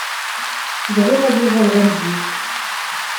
Bɣiɣ ad uɣaleɣ am zik.